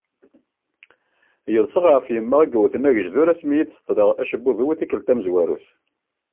Yeḍsa ɣef yemma i yewwten agejdur asmi d-ṣeṭleɣ acebbub-iw i tikkelt tamezwarut.